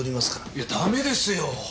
いやダメですよ！